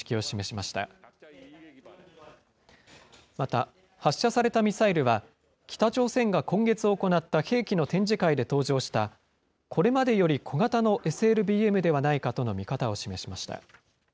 また、発射されたミサイルは、北朝鮮が今月行った兵器の展示会で登場した、これまでより小型のＳＬＢＭではないかとの見方を示しました。